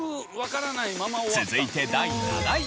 続いて第７位。